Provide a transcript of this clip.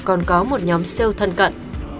các đối tượng sale thân cận